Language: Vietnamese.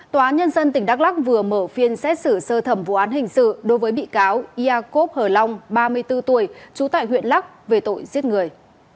tòa nhân dân tỉnh đắk lắc vừa mở phiên xét xử sơ thẩm vụ án hình sự đối với bị cáo iakov hờ long ba mươi bốn tuổi trú tại huyện lắc về tội giết người